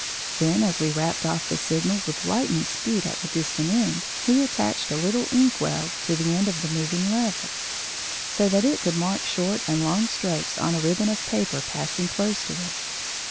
Then as we rapped off the signals with lightning speed at the distant end, he attached a little ink wheel to the end of the moving lever, so that it could mark short and long strokes on a ribbon of paper passing close to it.